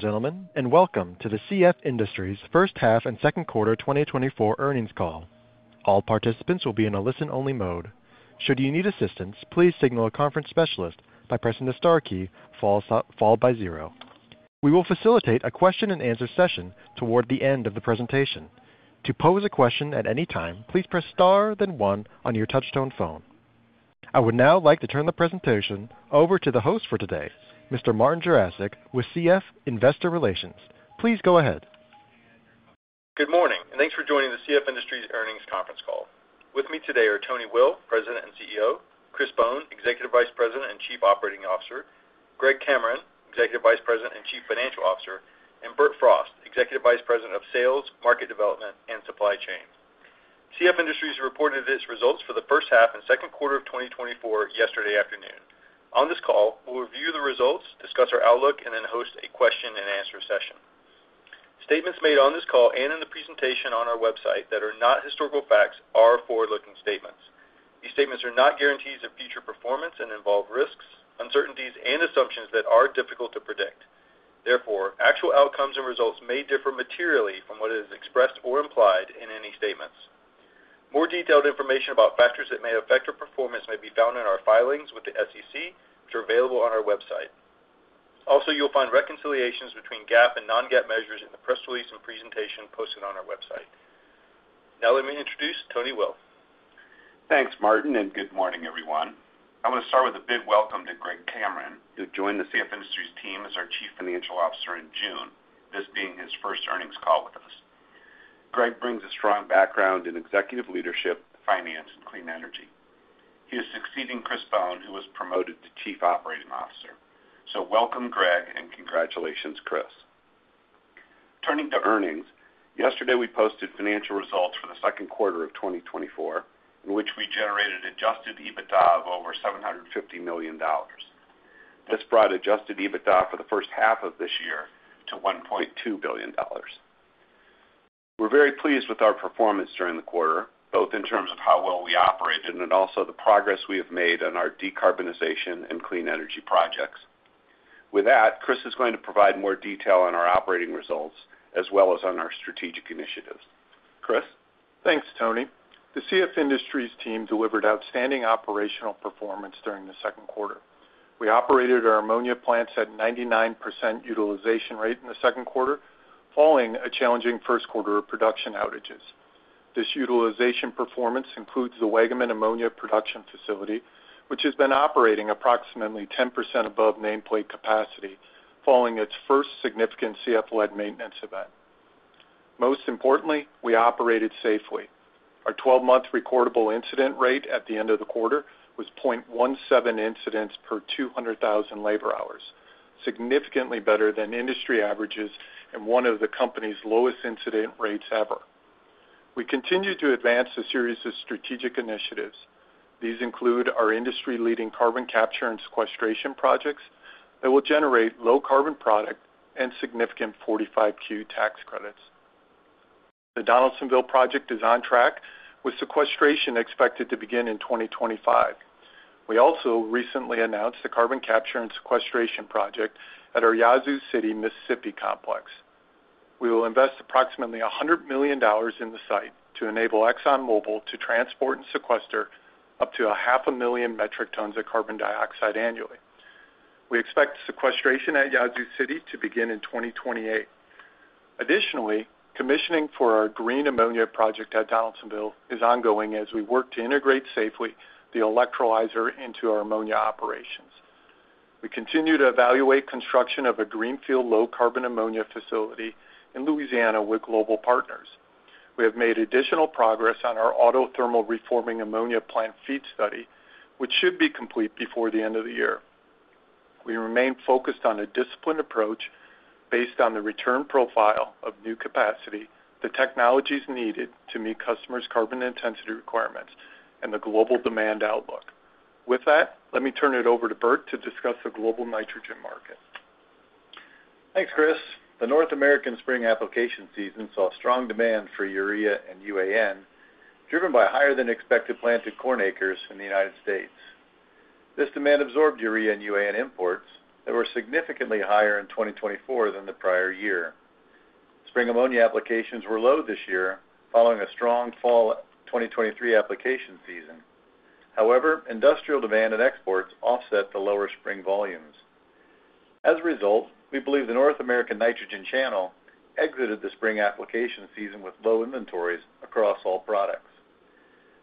Gentlemen, and welcome to the CF Industries first half and second quarter 2024 earnings call. All participants will be in a listen-only mode. Should you need assistance, please signal a conference specialist by pressing the star key followed by zero. We will facilitate a question-and-answer session toward the end of the presentation. To pose a question at any time, please press star, then one on your touchtone phone. I would now like to turn the presentation over to the host for today, Mr. Martin Jarosick, with CF Investor Relations. Please go ahead. Good morning, and thanks for joining the CF Industries earnings conference call. With me today are Tony Will, President and CEO; Chris Bohn, Executive Vice President and Chief Operating Officer; Greg Cameron, Executive Vice President and Chief Financial Officer; and Bert Frost, Executive Vice President of Sales, Market Development, and Supply Chain. CF Industries reported its results for the first half and second quarter of 2024 yesterday afternoon. On this call, we'll review the results, discuss our outlook, and then host a question-and-answer session. Statements made on this call and in the presentation on our website that are not historical facts are forward-looking statements. These statements are not guarantees of future performance and involve risks, uncertainties, and assumptions that are difficult to predict. Therefore, actual outcomes and results may differ materially from what is expressed or implied in any statements. More detailed information about factors that may affect your performance may be found in our filings with the SEC, which are available on our website. Also, you'll find reconciliations between GAAP and non-GAAP measures in the press release and presentation posted on our website. Now, let me introduce Tony Will. Thanks, Martin, and good morning, everyone. I want to start with a big welcome to Greg Cameron, who joined the CF Industries team as our Chief Financial Officer in June, this being his first earnings call with us. Greg brings a strong background in executive leadership, finance, and clean energy. He is succeeding Chris Bohn, who was promoted to Chief Operating Officer. So welcome, Greg, and congratulations, Chris. Turning to earnings, yesterday, we posted financial results for the second quarter of 2024, in which we generated adjusted EBITDA of over $750 million. This brought adjusted EBITDA for the first half of this year to $1.2 billion. We're very pleased with our performance during the quarter, both in terms of how well we operated and also the progress we have made on our decarbonization and clean energy projects. With that, Chris is going to provide more detail on our operating results as well as on our strategic initiatives. Chris? Thanks, Tony. The CF Industries team delivered outstanding operational performance during the second quarter. We operated our ammonia plants at 99% utilization rate in the second quarter, following a challenging Q1 of production outages. This utilization performance includes the Waggaman Ammonia production facility, which has been operating approximately 10% above nameplate capacity, following its first significant CF-led maintenance event. Most importantly, we operated safely. Our twelve-month recordable incident rate at the end of the quarter was 0.17 incidents per 200,000 labor hours, significantly better than industry averages and one of the company's lowest incident rates ever. We continue to advance a series of strategic initiatives. These include our industry-leading carbon capture and sequestration projects that will generate low carbon product and significant 45Q tax credits. The Donaldsonville project is on track, with sequestration expected to begin in 2025. We also recently announced the carbon capture and sequestration project at our Yazoo City, Mississippi, complex. We will invest approximately $100 million in the site to enable ExxonMobil to transport and sequester up to 500,000 metric tons of carbon dioxide annually. We expect sequestration at Yazoo City to begin in 2028. Additionally, commissioning for our green ammonia project at Donaldsonville is ongoing as we work to integrate safely the electrolyzer into our ammonia operations. We continue to evaluate construction of a greenfield low-carbon ammonia facility in Louisiana with global partners. We have made additional progress on our autothermal reforming ammonia plant FEED study, which should be complete before the end of the year. We remain focused on a disciplined approach based on the return profile of new capacity, the technologies needed to meet customers' carbon intensity requirements, and the global demand outlook. With that, let me turn it over to Bert to discuss the global nitrogen market. Thanks, Chris. The North American spring application season saw strong demand for urea and UAN, driven by higher-than-expected planted corn acres in the United States. This demand absorbed urea and UAN imports that were significantly higher in 2024 than the prior year. Spring ammonia applications were low this year, following a strong fall 2023 application season. However, industrial demand and exports offset the lower spring volumes. As a result, we believe the North American nitrogen channel exited the spring application season with low inventories across all products.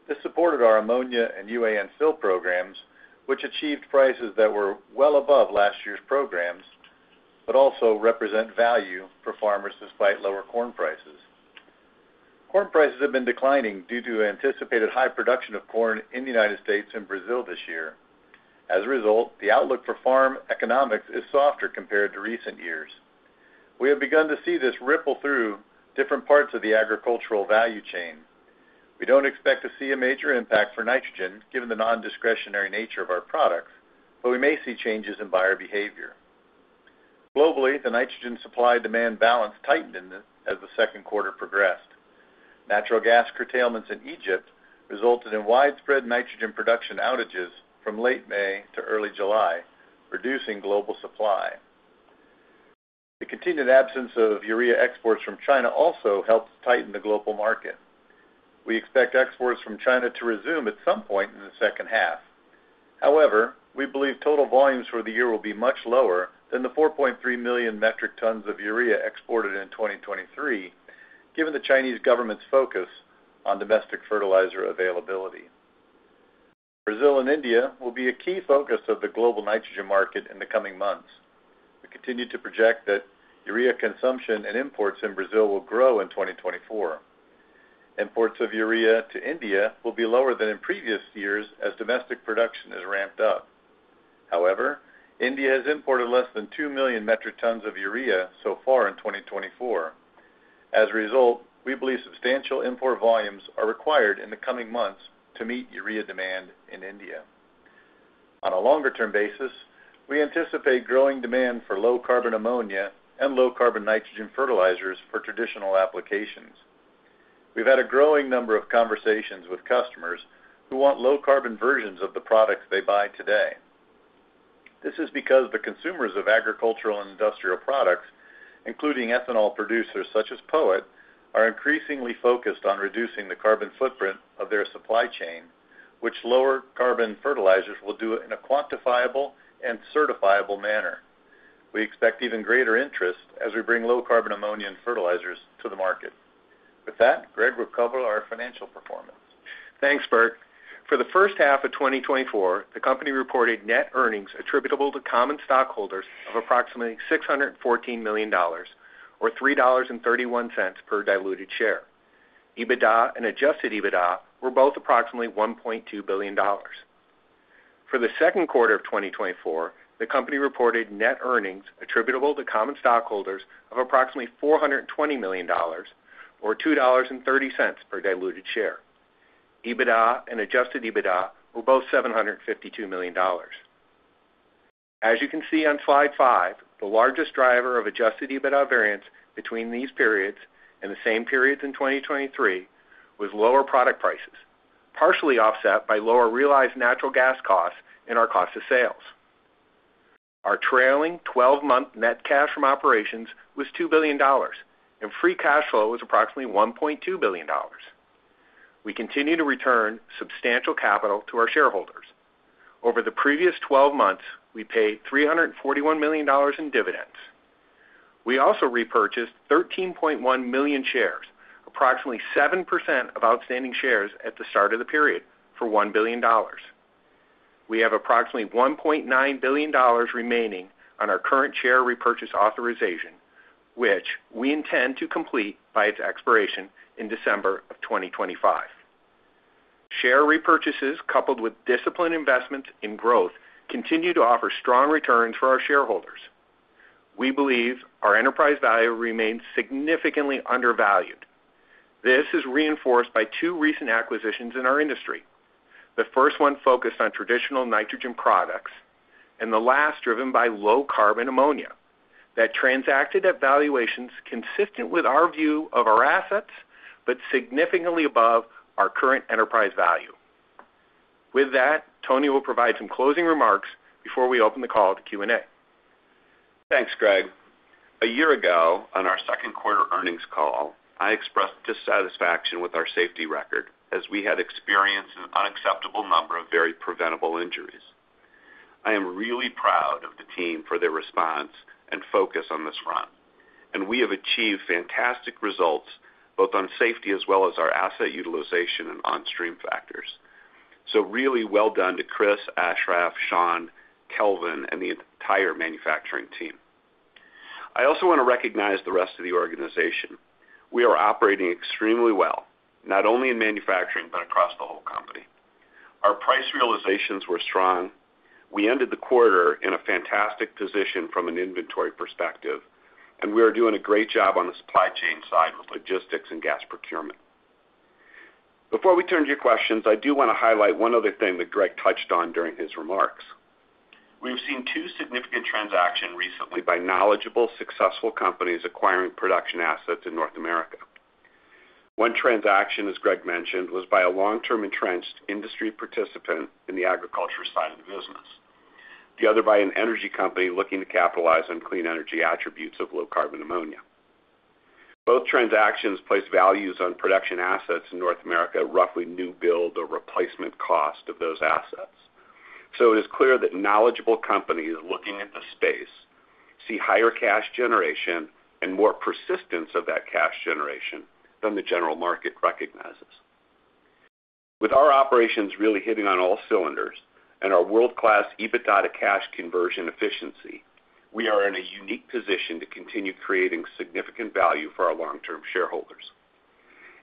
This supported our ammonia and UAN fill programs, which achieved prices that were well above last year's programs, but also represent value for farmers despite lower corn prices. Corn prices have been declining due to anticipated high production of corn in the United States and Brazil this year. As a result, the outlook for farm economics is softer compared to recent years. We have begun to see this ripple through different parts of the agricultural value chain. We don't expect to see a major impact for nitrogen, given the nondiscretionary nature of our products, but we may see changes in buyer behavior. Globally, the nitrogen supply-demand balance tightened as the second quarter progressed. Natural gas curtailments in Egypt resulted in widespread nitrogen production outages from late May to early July, reducing global supply. The continued absence of urea exports from China also helped tighten the global market. We expect exports from China to resume at some point in the second half. However, we believe total volumes for the year will be much lower than the 4.3 million metric tons of urea exported in 2023, given the Chinese government's focus on domestic fertilizer availability. Brazil and India will be a key focus of the global nitrogen market in the coming months. We continue to project that urea consumption and imports in Brazil will grow in 2024. Imports of urea to India will be lower than in previous years as domestic production is ramped up. However, India has imported less than 2 million metric tons of urea so far in 2024. As a result, we believe substantial import volumes are required in the coming months to meet urea demand in India. On a longer-term basis, we anticipate growing demand for low-carbon ammonia and low-carbon nitrogen fertilizers for traditional applications. We've had a growing number of conversations with customers who want low-carbon versions of the products they buy today. This is because the consumers of agricultural and industrial products, including ethanol producers such as POET, are increasingly focused on reducing the carbon footprint of their supply chain, which lower carbon fertilizers will do in a quantifiable and certifiable manner. We expect even greater interest as we bring low-carbon ammonia and fertilizers to the market. With that, Greg will cover our financial performance. Thanks, Bert. For the first half of 2024, the company reported net earnings attributable to common stockholders of approximately $614 million, or $3.31 per diluted share. EBITDA and adjusted EBITDA were both approximately $1.2 billion. For the second quarter of 2024, the company reported net earnings attributable to common stockholders of approximately $420 million, or $2.30 per diluted share. EBITDA and adjusted EBITDA were both $752 million. As you can see on slide 5, the largest driver of adjusted EBITDA variance between these periods and the same periods in 2023 was lower product prices, partially offset by lower realized natural gas costs and our cost of sales. Our trailing twelve-month net cash from operations was $2 billion, and free cash flow was approximately $1.2 billion. We continue to return substantial capital to our shareholders. Over the previous twelve months, we paid $341 million in dividends. We also repurchased 13.1 million shares, approximately 7% of outstanding shares at the start of the period, for $1 billion. We have approximately $1.9 billion remaining on our current share repurchase authorization, which we intend to complete by its expiration in December 2025. Share repurchases, coupled with disciplined investment in growth, continue to offer strong returns for our shareholders. We believe our enterprise value remains significantly undervalued. This is reinforced by two recent acquisitions in our industry. The first one focused on traditional nitrogen products, and the last driven by low-carbon ammonia, that transacted at valuations consistent with our view of our assets, but significantly above our current enterprise value. With that, Tony will provide some closing remarks before we open the call to Q&A. Thanks, Greg. A year ago, on our second quarter earnings call, I expressed dissatisfaction with our safety record, as we had experienced an unacceptable number of very preventable injuries. I am really proud of the team for their response and focus on this front, and we have achieved fantastic results, both on safety as well as our asset utilization and onstream factors. So really well done to Chris, Ashraf, Sean, Kelvin, and the entire manufacturing team. I also want to recognize the rest of the organization. We are operating extremely well, not only in manufacturing, but across the whole company. Our price realizations were strong. We ended the quarter in a fantastic position from an inventory perspective, and we are doing a great job on the supply chain side with logistics and gas procurement. Before we turn to your questions, I do want to highlight one other thing that Greg touched on during his remarks. We've seen two significant transactions recently by knowledgeable, successful companies acquiring production assets in North America. One transaction, as Greg mentioned, was by a long-term, entrenched industry participant in the agriculture side of the business. The other by an energy company looking to capitalize on clean energy attributes of low-carbon ammonia. Both transactions place values on production assets in North America at roughly new build or replacement cost of those assets. So it is clear that knowledgeable companies looking at the space see higher cash generation and more persistence of that cash generation than the general market recognizes. With our operations really hitting on all cylinders and our world-class EBITDA to cash conversion efficiency, we are in a unique position to continue creating significant value for our long-term shareholders.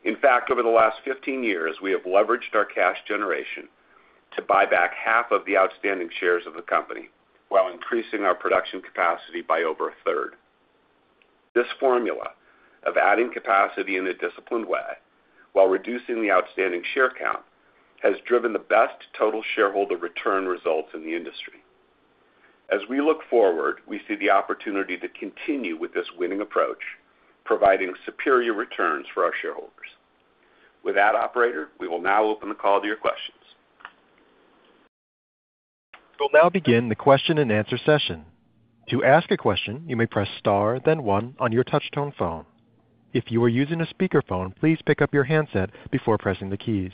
In fact, over the last 15 years, we have leveraged our cash generation to buy back half of the outstanding shares of the company while increasing our production capacity by over a third. This formula of adding capacity in a disciplined way while reducing the outstanding share count has driven the best total shareholder return results in the industry... As we look forward, we see the opportunity to continue with this winning approach, providing superior returns for our shareholders. With that, operator, we will now open the call to your questions. We'll now begin the question-and-answer session. To ask a question, you may press star, then one on your touchtone phone. If you are using a speakerphone, please pick up your handset before pressing the keys.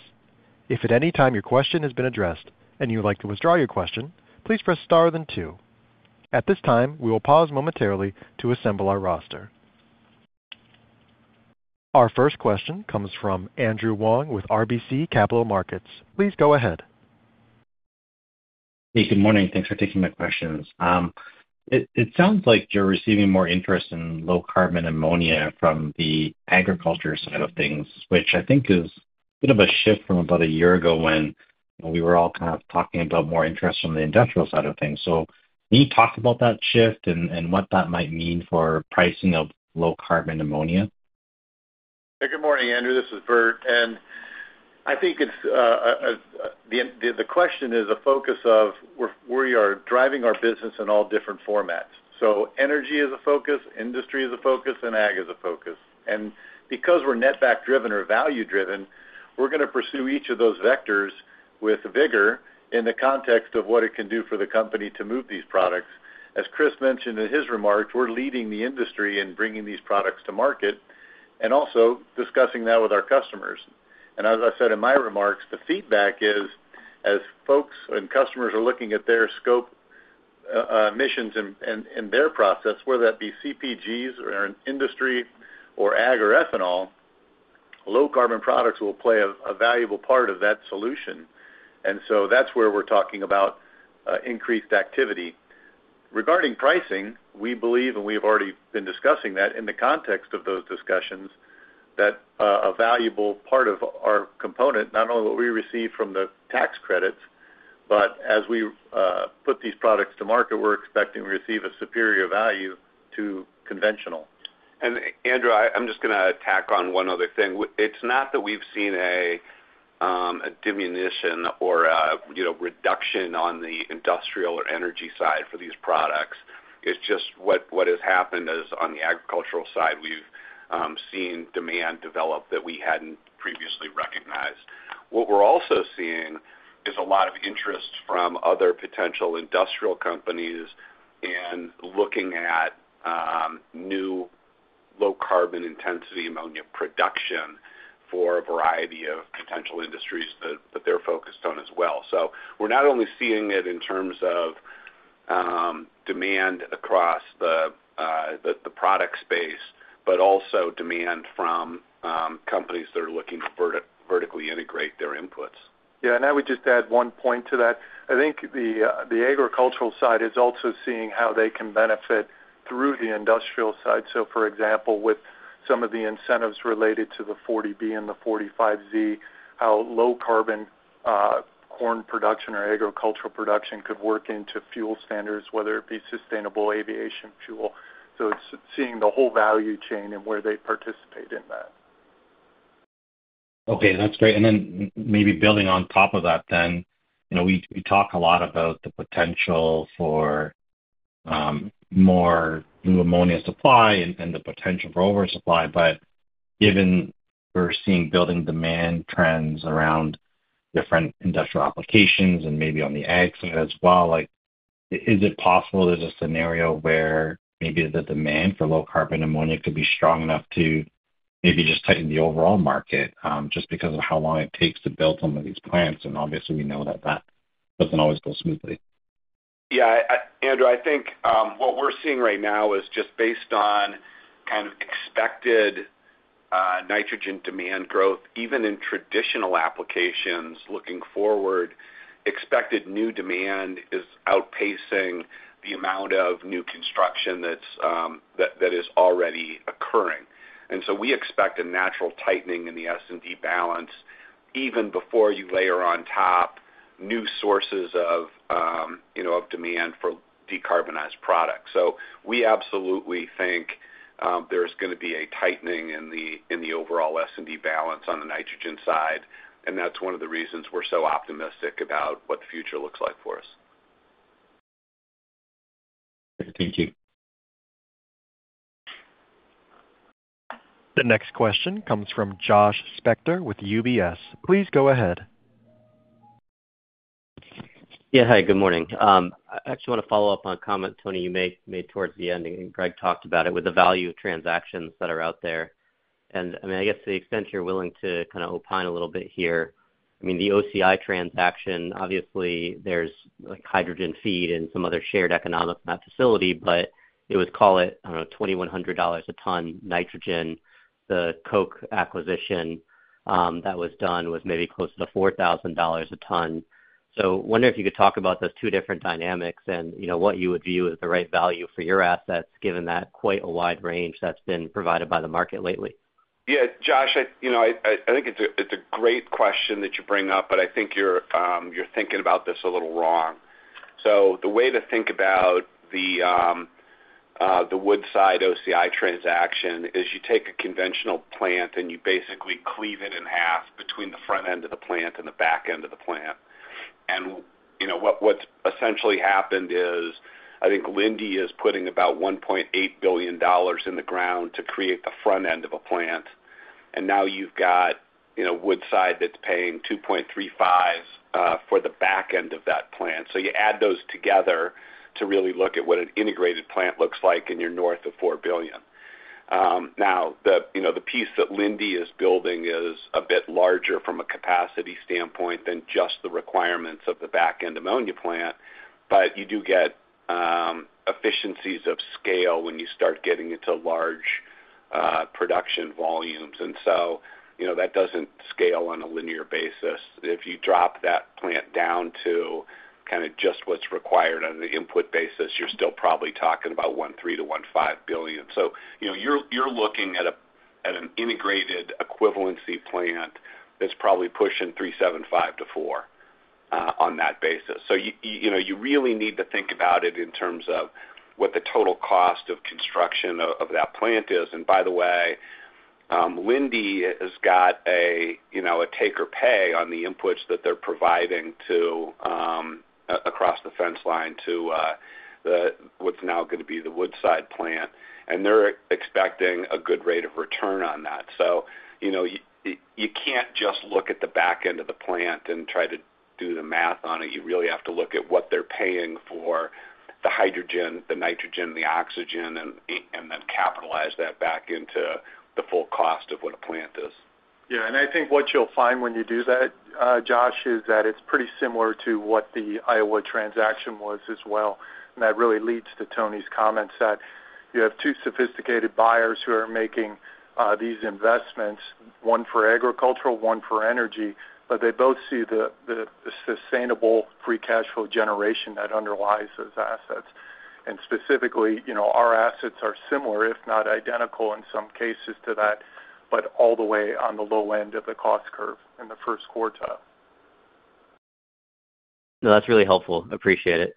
If at any time your question has been addressed and you would like to withdraw your question, please press star then two. At this time, we will pause momentarily to assemble our roster. Our first question comes from Andrew Wong with RBC Capital Markets. Please go ahead. Hey, good morning. Thanks for taking my questions. It sounds like you're receiving more interest in low carbon ammonia from the agriculture side of things, which iis a bit of a shift from about a year ago when we were all kind of talking about more interest from the industrial side of things. So can you talk about that shift and what that might mean for pricing of low carbon ammonia? Hey, good morning, Andrew. This is Bert, and it's the question is a focus of where we are driving our business in all different formats. So energy is a focus, industry is a focus, and ag is a focus. And because we're net back driven or value driven, we're gonna pursue each of those vectors with vigor in the context of what it can do for the company to move these products. As Chris mentioned in his remarks, we're leading the industry in bringing these products to market and also discussing that with our customers. And as I said in my remarks, the feedback is, as folks and customers are looking at their Scope emissions and their process, whether that be CPGs or in industry or ag or ethanol, low-carbon products will play a valuable part of that solution. That's where we're talking about increased activity. Regarding pricing, we believe, and we've already been discussing that in the context of those discussions, that a valuable part of our component, not only what we receive from the tax credits, but as we put these products to market, we're expecting to receive a superior value to conventional. And Andrew, I'm just gonna tack on one other thing. It's not that we've seen a diminution or a, you know, reduction on the industrial or energy side for these products. It's just what has happened is on the agricultural side, we've seen demand develop that we hadn't previously recognized. What we're also seeing is a lot of interest from other potential industrial companies in looking at new low carbon intensity ammonia production for a variety of potential industries that they're focused on as well. So we're not only seeing it in terms of demand across the product space, but also demand from companies that are looking to vertically integrate their inputs. Yeah, and I would just add one point to that. The agricultural side is also seeing how they can benefit through the industrial side. So for example, with some of the incentives related to the 40B and the 45Z, how low carbon corn production or agricultural production could work into fuel standards, whether it be sustainable aviation fuel. So it's seeing the whole value chain and where they participate in that. Okay, that's great. And then maybe building on top of that then, you know, we talk a lot about the potential for more new ammonia supply and the potential for oversupply. But given we're seeing building demand trends around different industrial applications and maybe on the ag side as well, like, is it possible there's a scenario where maybe the demand for low carbon ammonia could be strong enough to maybe just tighten the overall market, just because of how long it takes to build some of these plants? And obviously, we know that that doesn't always go smoothly. Andrew, what we're seeing right now is just based on kind of expected nitrogen demand growth, even in traditional applications looking forward, expected new demand is outpacing the amount of new construction that's already occurring. We expect a natural tightening in the S&D balance even before you layer on top new sources of, you know, of demand for decarbonized products. So we absolutely think there's gonna be a tightening in the, in the overall S&D balance on the nitrogen side, and that's one of the reasons we're so optimistic about what the future looks like for us. Thank you. The next question comes from Josh Spector with UBS. Please go ahead. Yeah. Hi, good morning. I actually wanna follow up on a comment, Tony, you made towards the ending, and Greg talked about it, with the value of transactions that are out there. I guess to the extent you're willing to kind of opine a little bit here, the OCI transaction, obviously, there's, like, hydrogen feed and some other shared economics in that facility, but it was, call it, I don't know, $2,100 a ton nitrogen. The Koch acquisition, that was done was maybe closer to $4,000 a ton. So wondering if you could talk about those two different dynamics and, you know, what you would view as the right value for your assets, given that quite a wide range that's been provided by the market lately. It's a great question that you bring up, but you're thinking about this a little wrong. So the way to think about the Woodside OCI transaction is you take a conventional plant, and you basically cleave it in half between the front end of the plant and the back end of the plant. And, you know, what's essentially happened is, Linde is putting about $1.8 billion in the ground to create the front end of a plant. And now you've got, you know, Woodside that's paying $2.35 billion for the back end of that plant. So you add those together to really look at what an integrated plant looks like, and you're north of $4 billion. Now, the, you know, the piece that Linde is building is a bit larger from a capacity standpoint than just the requirements of the back-end ammonia plant. But you do get efficiencies of scale when you start getting into large production volumes, and so, you know, that doesn't scale on a linear basis. If you drop that plant down to kinda just what's required on the input basis, you're still probably talking about $1.3 billion-$1.5 billion. So, you know, you're looking at an integrated equivalency plant that's probably pushing $3.75-$4 billion on that basis. So you, you know, you really need to think about it in terms of what the total cost of construction of that plant is. And by the way, Linde has got a, you know, a take or pay on the inputs that they're providing to, across the fence line to, the what's now gonna be the Woodside plant, and they're expecting a good rate of return on that. So, you know, you can't just look at the back end of the plant and try to do the math on it. You really have to look at what they're paying for the hydrogen, the nitrogen, the oxygen, and, and then capitalize that back into the full cost of what a plant is. What you'll find when you do that, Josh, is that it's pretty similar to what the Iowa transaction was as well. And that really leads to Tony's comments, that you have two sophisticated buyers who are making these investments, one for agricultural, one for energy. But they both see the sustainable free cash flow generation that underlies those assets. And specifically, you know, our assets are similar, if not identical, in some cases to that, but all the way on the low end of the cost curve in the first quartile. No, that's really helpful. Appreciate it.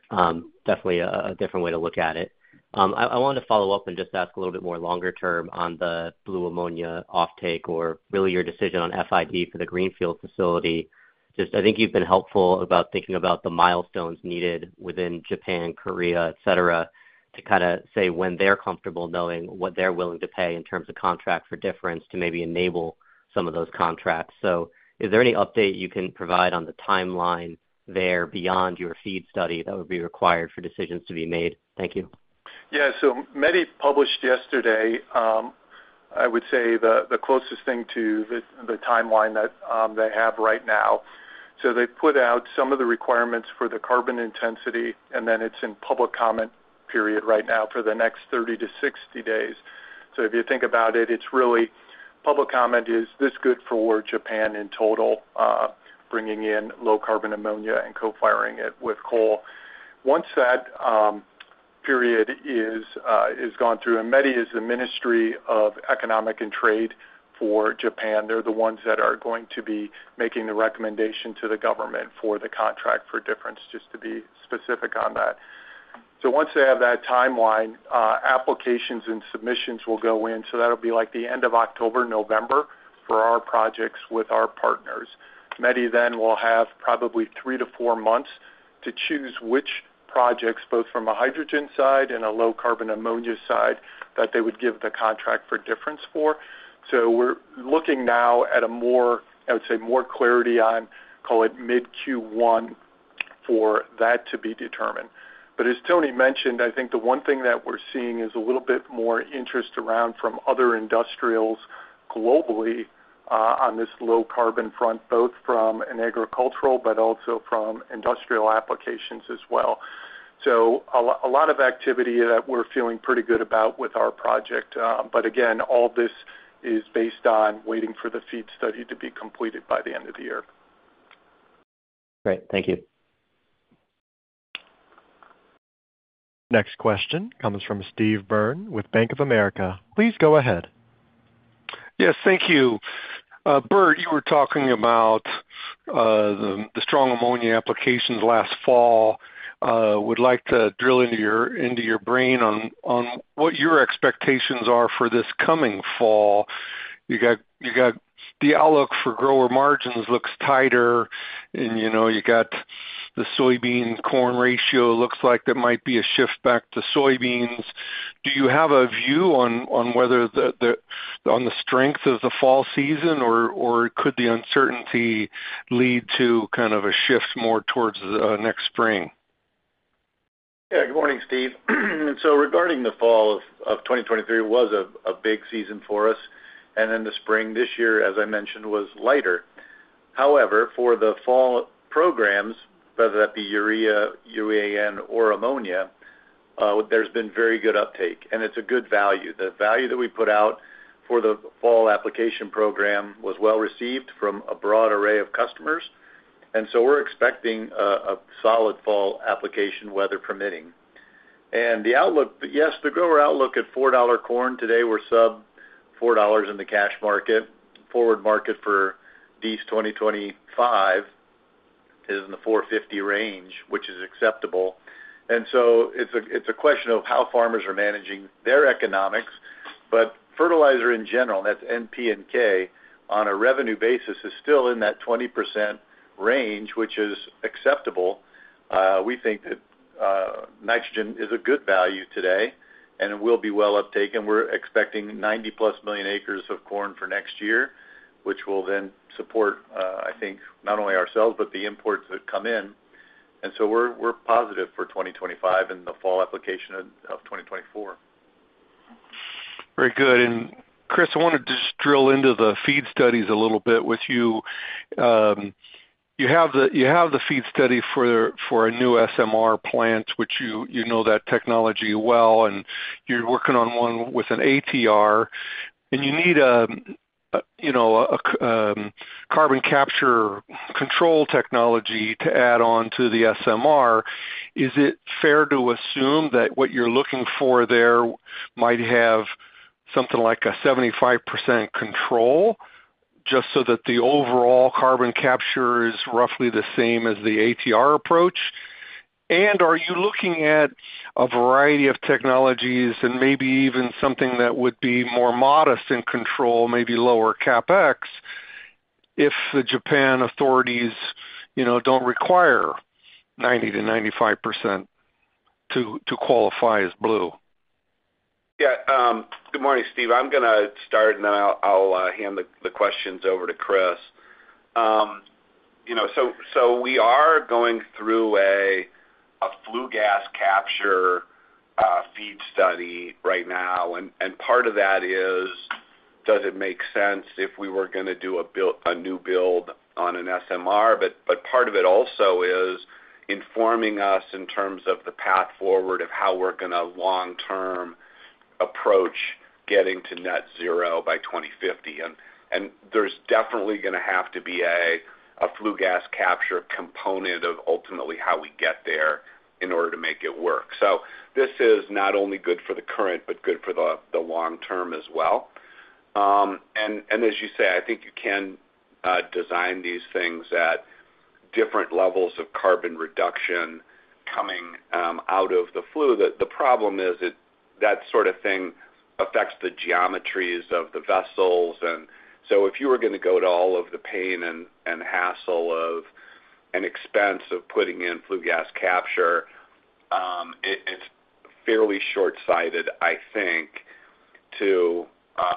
Definitely a different way to look at it. I wanted to follow up and just ask a little bit more longer term on the Blue Ammonia offtake or really your decision on FID for the greenfield facility. You've been helpful about thinking about the milestones needed within Japan, Korea, et cetera, to kinda say when they're comfortable knowing what they're willing to pay in terms of Contract for Difference to maybe enable some of those contracts. So is there any update you can provide on the timeline there beyond your FEED study that would be required for decisions to be made? Thank you. Yeah, so METI published yesterday, I would say the, the closest thing to the, the timeline that, they have right now. So they put out some of the requirements for the carbon intensity, and then it's in public comment period right now for the next 30 to 60 days. So if you think about it, it's really public comment, is this good for Japan in total, bringing in low-carbon ammonia and co-firing it with coal? Once that, period is, is gone through, and METI is the Ministry of Economy, Trade and Industry for Japan, they're the ones that are going to be making the recommendation to the government for the contract for difference, just to be specific on that. So once they have that timeline, applications and submissions will go in, so that'll be like the end of October, November for our projects with our partners. METI then will have probably three to four months to choose which projects, both from a hydrogen side and a low-carbon ammonia side, that they would give the contract for difference for. So we're looking now at a more, I would say, more clarity on, call it mid-Q1, for that to be determined. But as Tony mentioned, the one thing that we're seeing is a little bit more interest around from other industrials globally, on this low carbon front, both from an agricultural but also from industrial applications as well. So a lot of activity that we're feeling pretty good about with our project. But again, all this is based on waiting for the FEED study to be completed by the end of the year. Great. Thank you. Next question comes from Steve Byrne with Bank of America. Please go ahead. Yes, thank you. Bert, you were talking about the strong ammonia applications last fall. Would like to drill into your brain on what your expectations are for this coming fall. You got the outlook for grower margins looks tighter, and, you know, you got the soybean-corn ratio. Looks like there might be a shift back to soybeans. Do you have a view on whether the strength of the fall season, or could the uncertainty lead to kind of a shift more towards next spring? Yeah. Good morning, Steve. So regarding the fall of 2023, it was a big season for us, and then the spring this year, as I mentioned, was lighter. However, for the fall programs, whether that be urea, UAN, or ammonia, there's been very good uptake, and it's a good value. The value that we put out for the fall application program was well-received from a broad array of customers, we're expecting a solid fall application, weather permitting. And the outlook, yes, the grower outlook at $4 corn, today we're sub $4 in the cash market. Forward market for Dec 2025 is in the $450 range, which is acceptable. It's a question of how farmers are managing their economics. But fertilizer in general, that's NPK, on a revenue basis, is still in that 20% range, which is acceptable. We think that nitrogen is a good value today, and it will be well uptaken. We're expecting 90+ million acres of corn for next year, which will then support, not only ourselves, but the imports that come in. We're positive for 2025 and the fall application of 2024. Very good. And Chris, I wanna just drill into the feed studies a little bit with you. You have the FEED study for a new SMR plant, which you know that technology well, and you're working on one with an ATR. And you need a, you know, carbon capture control technology to add on to the SMR. Is it fair to assume that what you're looking for there might have something like a 75% control, just so that the overall carbon capture is roughly the same as the ATR approach? And are you looking at a variety of technologies and maybe even something that would be more modest in control, maybe lower CapEx, if the Japan authorities, you know, don't require 90% to 95% to qualify as flue? Yeah, good morning, Steve. I'm gonna start, and then I'll hand the questions over to Chris. You know, so we are going through a flue gas capture FEED study right now. And part of that is, does it make sense if we were gonna do a new build on an SMR? But part of it also is informing us in terms of the path forward of how we're gonna long-term approach getting to net zero by 2050. And there's definitely gonna have to be a flue gas capture component of ultimately how we get there in order to make it work. So this is not only good for the current, but good for the long term as well. And as you say, you can design these things at different levels of carbon reduction coming out of the flue. The problem is that sort of thing affects the geometries of the vessels. If you were gonna go to all of the pain and hassle and expense of putting in flue gas capture, it's fairly short-sighted, to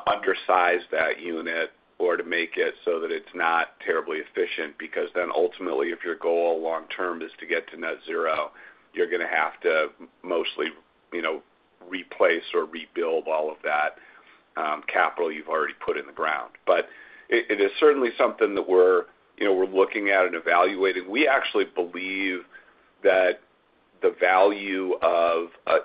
undersize that unit or to make it so that it's not terribly efficient. Because then ultimately, if your goal long term is to get to net zero, you're gonna have to mostly, you know, replace or rebuild all of that capital you've already put in the ground. But it is certainly something that we're, you know, looking at and evaluating. We actually believe that the value of a,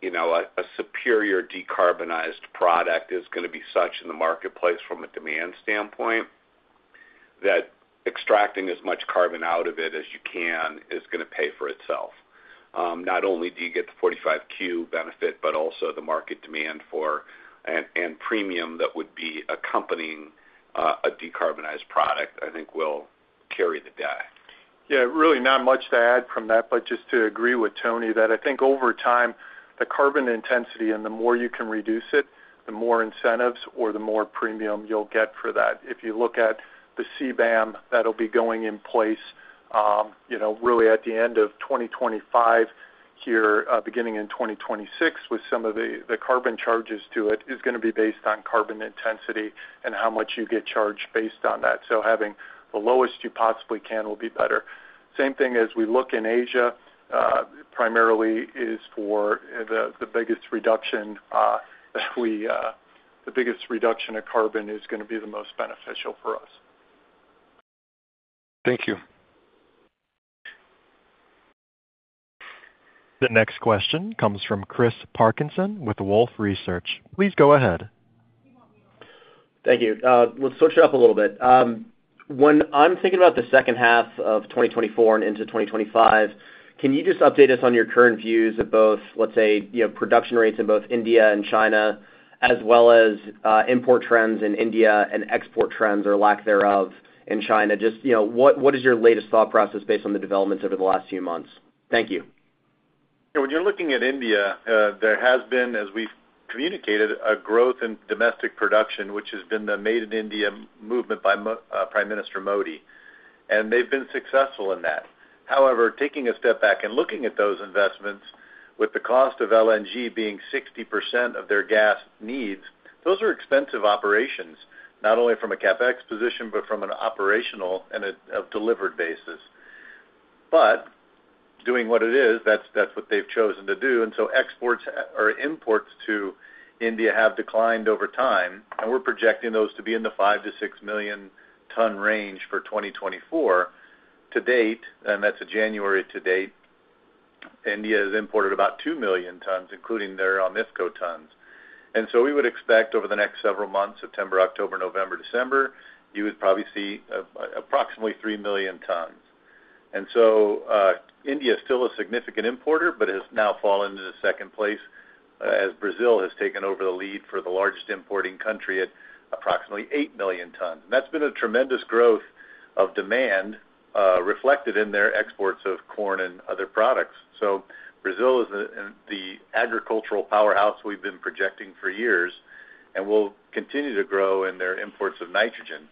you know, superior decarbonized product is gonna be such in the marketplace from a demand standpoint, that extracting as much carbon out of it as you can is gonna pay for itself. Not only do you get the 45Q benefit, but also the market demand for and premium that would be accompanying a decarbonized product, will carry the day. Yeah, really not much to add from that, but just to agree with Tony, that over time, the carbon intensity and the more you can reduce it, the more incentives or the more premium you'll get for that. If you look at the CBAM that'll be going in place, you know, really at the end of 2025 here, beginning in 2026, with some of the carbon charges to it, is gonna be based on carbon intensity and how much you get charged based on that. So having the lowest you possibly can will be better. Same thing as we look in Asia, primarily is for the biggest reduction, the biggest reduction of carbon is gonna be the most beneficial for us. Thank you. The next question comes from Chris Parkinson with Wolfe Research. Please go ahead. Thank you. Let's switch it up a little bit. When I'm thinking about the second half of 2024 and into 2025, can you just update us on your current views of both, let's say, you know, production rates in both India and China, as well as import trends in India and export trends or lack thereof in China? Just, you know, what is your latest thought process based on the developments over the last few months? Thank you. Yeah, when you're looking at India, there has been, as we've communicated, a growth in domestic production, which has been the Made in India movement by Prime Minister Modi, and they've been successful in that. However, taking a step back and looking at those investments, with the cost of LNG being 60% of their gas needs, those are expensive operations, not only from a CapEx position, but from an operational and a delivered basis. But doing what it is, that's what they've chosen to do, and exports or imports to India have declined over time, and we're projecting those to be in the 5 to 6 million ton range for 2024. To date, and that's a January to date, India has imported about 2 million tons, including their OMIFCO tons. We would expect over the next several months, September, October, November, December, you would probably see approximately 3 million tons. India is still a significant importer, but has now fallen into second place as Brazil has taken over the lead for the largest importing country at approximately 8 million tons. And that's been a tremendous growth of demand, reflected in their exports of corn and other products. So Brazil is the agricultural powerhouse we've been projecting for years and will continue to grow in their imports of nitrogen.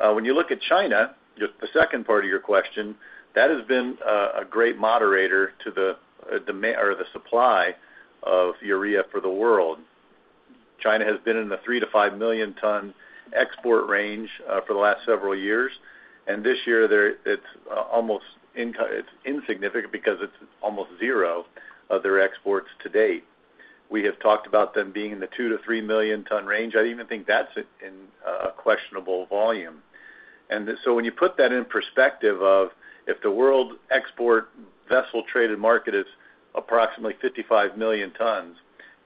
When you look at China, the second part of your question, that has been a great moderator to the demand or the supply of urea for the world. China has been in the 3-5 million ton export range for the last several years, and this year, it's almost insignificant because it's almost zero of their exports to date. We have talked about them being in the 2-3 million ton range. I even think that's in a questionable volume. When you put that in perspective of, if the world export vessel traded market is approximately 55 million tons,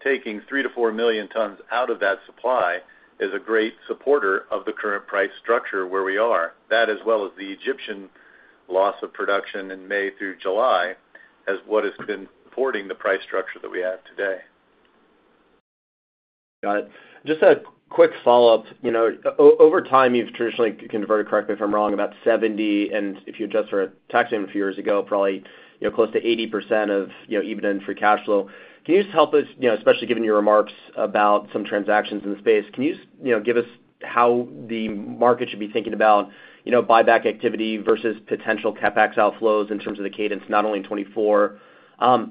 taking 3-4 million tons out of that supply is a great supporter of the current price structure where we are. That, as well as the Egyptian loss of production in May through July, is what has been supporting the price structure that we have today. Got it. Just a quick follow-up. You know, over time, you've traditionally converted, correct me if I'm wrong, about 70, and if you adjust for a tax hit a few years ago, probably, you know, close to 80% of, you know, EBITDA and free cash flow. Can you just help us, you know, especially given your remarks about some transactions in the space, can you, you know, give us how the market should be thinking about, you know, buyback activity versus potential CapEx outflows in terms of the cadence, not only in 2024,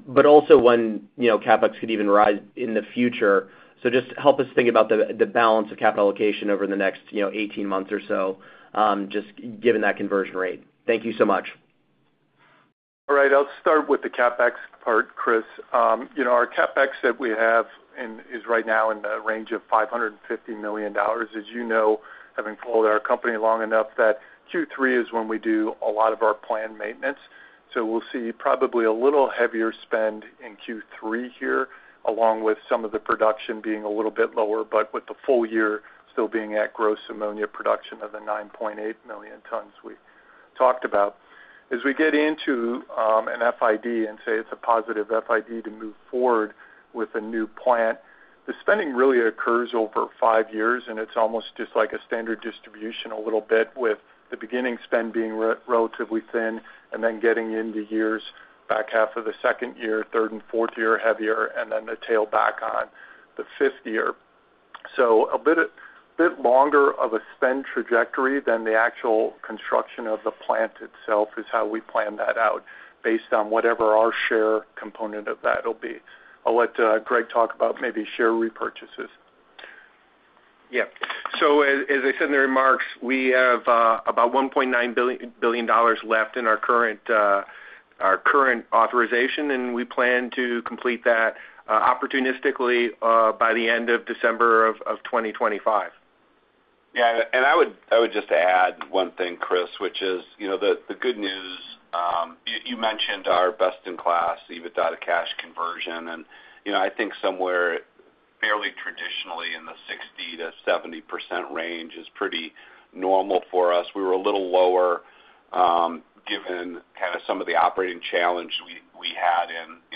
but also when, you know, CapEx could even rise in the future? So just help us think about the, the balance of capital allocation over the next, you know, 18 months or so, just given that conversion rate. Thank you so much. All right, I'll start with the CapEx part, Chris. You know, our CapEx that we have and is right now in the range of $550 million. As you know, having followed our company long enough, that Q3 is when we do a lot of our planned maintenance, so we'll see probably a little heavier spend in Q3 here, along with some of the production being a little bit lower, but with the full year still being at gross ammonia production of the 9.8 million tons we talked about. As we get into an FID and say it's a positive FID to move forward with a new plant, the spending really occurs over five years, and it's almost just like a standard distribution, a little bit, with the beginning spend being relatively thin and then getting into years, back half of the second year, third and fourth year, heavier, and then the tail back on the fifth year. So a bit, a bit longer of a spend trajectory than the actual construction of the plant itself is how we plan that out, based on whatever our share component of that'll be. I'll let Greg talk about maybe share repurchases. Yeah. So as I said in the remarks, we have about $1.9 billion left in our current authorization, and we plan to complete that opportunistically by the end of December 2025. Yeah, and I would just add one thing, Chris, which is, you know, the good news. You mentioned our best-in-class EBITDA to cash conversion, and, you know, somewhere fairly traditionally in the 60%-70% range is pretty normal for us. We were a little lower, given kind of some of the operating challenges we had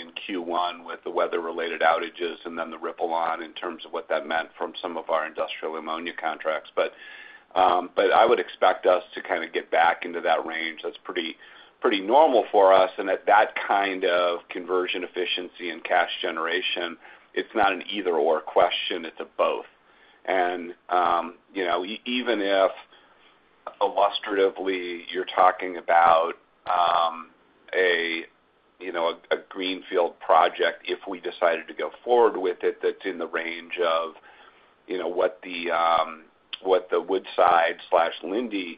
in Q1 with the weather-related outages and then the ripple on in terms of what that meant from some of our industrial ammonia contracts. But I would expect us to kind of get back into that range. That's pretty normal for us, and at that kind of conversion efficiency and cash generation, it's not an either/or question, it's a both. Even if illustratively, you're talking about a greenfield project, if we decided to go forward with it, that's in the range of what the Woodside/Linde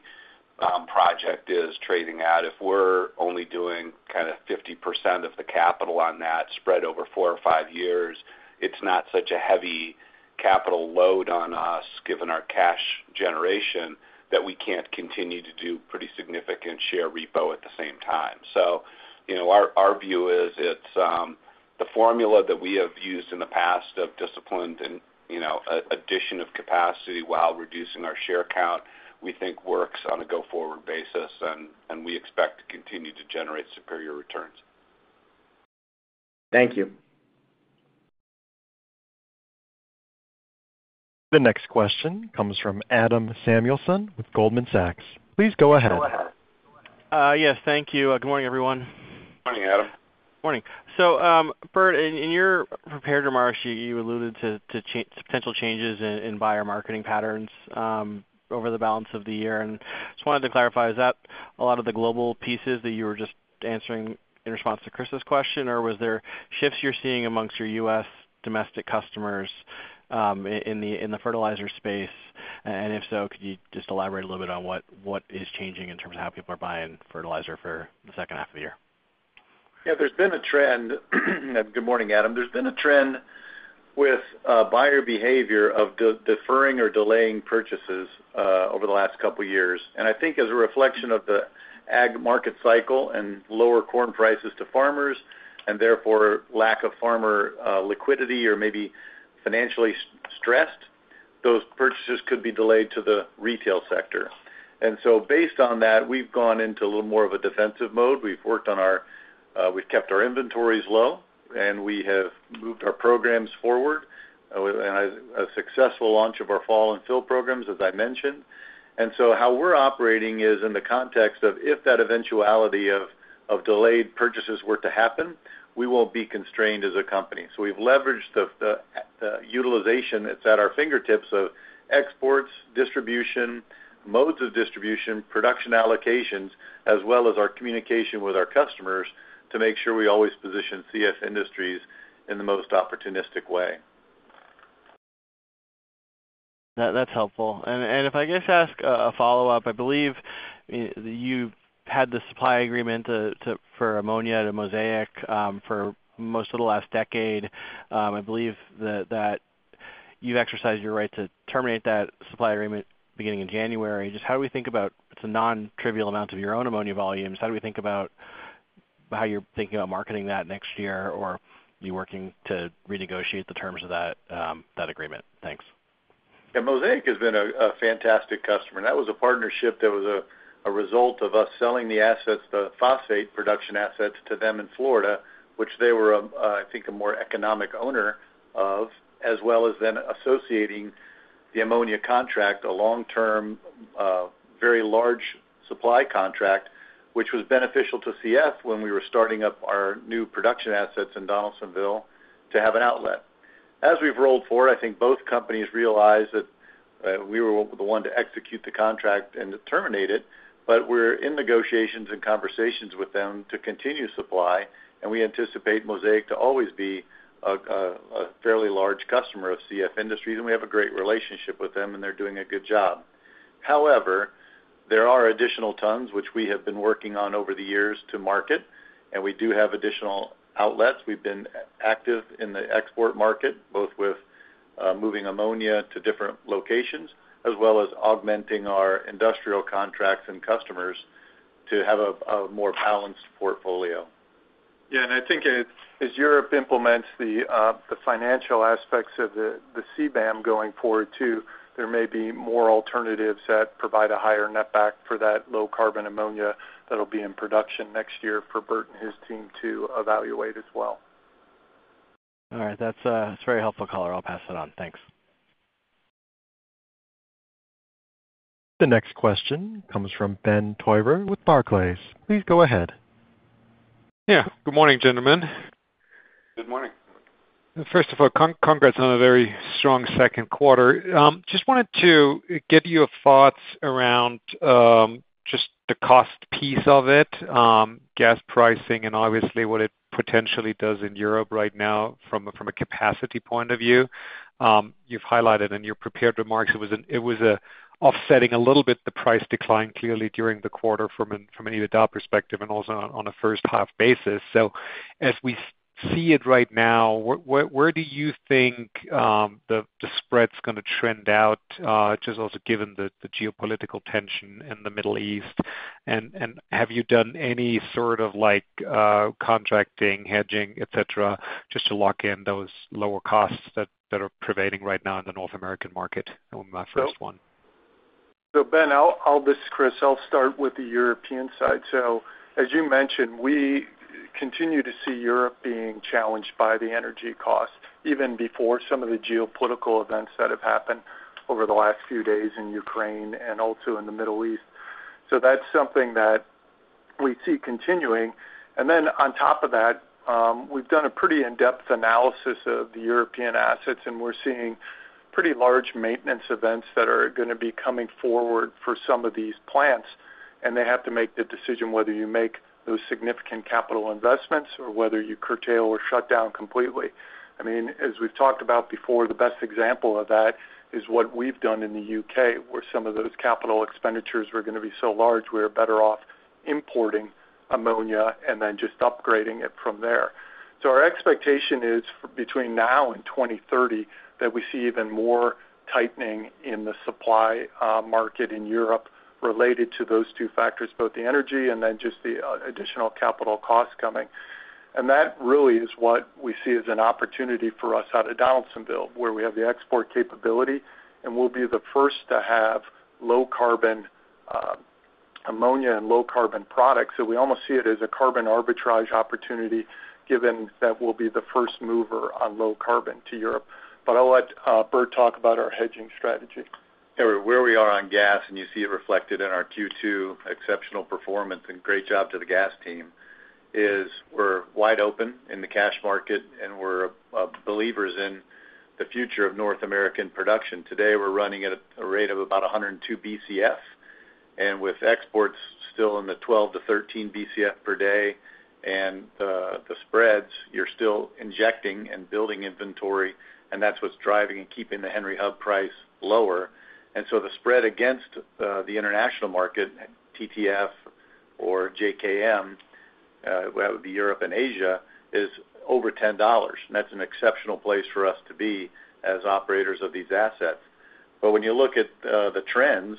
project is trading at, if we're only doing kind of 50% of the capital on that spread over 4 or 5 years, it's not such a heavy capital load on us, given our cash generation, that we can't continue to do pretty significant share repo at the same time. So, you know, our view is it's the formula that we have used in the past of disciplined and addition of capacity while reducing our share count, we think works on a go-forward basis, and we expect to continue to generate superior returns. Thank you. The next question comes from Adam Samuelson with Goldman Sachs. Please go ahead. Yes, thank you. Good morning, everyone. Bert, in your prepared remarks, you alluded to potential changes in buyer marketing patterns over the balance of the year. And just wanted to clarify, is that a lot of the global pieces that you were just answering in response to Chris's question? Or was there shifts you're seeing amongst your U.S. domestic customers in the fertilizer space? And if so, could you just elaborate a little bit on what is changing in terms of how people are buying fertilizer for the second half of the year? Yeah, there's been a trend... Good morning, Adam. There's been a trend with buyer behavior of deferring or delaying purchases over the last couple of years. As a reflection of the ag market cycle and lower corn prices to farmers, and therefore lack of farmer liquidity or maybe financially stressed... those purchases could be delayed to the retail sector. Based on that, we've gone into a little more of a defensive mode. We've kept our inventories low, and we have moved our programs forward, and a successful launch of our fall and fill programs, as I mentioned. How we're operating is in the context of, if that eventuality of delayed purchases were to happen, we won't be constrained as a company. So we've leveraged the utilization that's at our fingertips of exports, distribution, modes of distribution, production allocations, as well as our communication with our customers to make sure we always position CF Industries in the most opportunistic way. That's helpful. And if I just ask a follow-up, I believe you've had the supply agreement for ammonia to Mosaic for most of the last decade. I believe that you've exercised your right to terminate that supply agreement beginning in January. Just how do we think about... It's a non-trivial amount of your own ammonia volumes. How do we think about how you're thinking about marketing that next year? Or are you working to renegotiate the terms of that agreement? Thanks. Yeah, Mosaic has been a fantastic customer, and that was a partnership that was a result of us selling the assets, the phosphate production assets, to them in Florida, which they were, a more economic owner of, as well as then associating the ammonia contract, a long-term, very large supply contract, which was beneficial to CF when we were starting up our new production assets in Donaldsonville to have an outlet. As we've rolled forward, both companies realized that, we were the one to execute the contract and to terminate it, but we're in negotiations and conversations with them to continue supply, and we anticipate Mosaic to always be a fairly large customer of CF Industries, and we have a great relationship with them, and they're doing a good job. However, there are additional tons which we have been working on over the years to market, and we do have additional outlets. We've been active in the export market, both with moving ammonia to different locations, as well as augmenting our industrial contracts and customers to have a more balanced portfolio. As Europe implements the financial aspects of the CBAM going forward, too, there may be more alternatives that provide a higher net back for that low-carbon ammonia that'll be in production next year for Bert and his team to evaluate as well. All right. That's, that's very helpful, caller. I'll pass it on. Thanks. The next question comes from Ben Theurer with Barclays. Please go ahead. Good morning, gentlemen. First of all, congrats on a very strong second quarter. Just wanted to get your thoughts around just the cost piece of it, gas pricing, and obviously, what it potentially does in Europe right now from a capacity point of view. You've highlighted in your prepared remarks, it was offsetting a little bit the price decline, clearly, during the quarter from an EBITDA perspective and also on a first half basis. So as we see it right now, where do you think the spread's gonna trend out, just also given the geopolitical tension in the Middle East? And have you done any sort of like contracting, hedging, et cetera, just to lock in those lower costs that are pervading right now in the North American market? My first one. So Ben, this is Chris. I'll start with the European side. So as you mentioned, we continue to see Europe being challenged by the energy costs, even before some of the geopolitical events that have happened over the last few days in Ukraine and also in the Middle East. So that's something that we see continuing. And then on top of that, we've done a pretty in-depth analysis of the European assets, and we're seeing pretty large maintenance events that are gonna be coming forward for some of these plants, and they have to make the decision whether you make those significant capital investments or whether you curtail or shut down completely. As we've talked about before, the best example of that is what we've done in the UK, where some of those capital expenditures were gonna be so large, we were better off importing ammonia and then just upgrading it from there. So our expectation is, between now and 2030, that we see even more tightening in the supply market in Europe related to those two factors, both the energy and then just the additional capital costs coming. And that really is what we see as an opportunity for us out of Donaldsonville, where we have the export capability, and we'll be the first to have low-carbon ammonia and low-carbon products. So we almost see it as a carbon arbitrage opportunity, given that we'll be the first mover on low carbon to Europe. But I'll let Bert talk about our hedging strategy. Yeah, where we are on gas, and you see it reflected in our Q2 exceptional performance, and great job to the gas team, is we're wide open in the cash market, and we're believers in the future of North American production. Today, we're running at a rate of about 102 BCF, and with exports still in the 12-13 BCF per day and the spreads, you're still injecting and building inventory, and that's what's driving and keeping the Henry Hub price lower. The spread against the international market, TTF or JKM, that would be Europe and Asia, is over $10. And that's an exceptional place for us to be as operators of these assets. But when you look at the trends,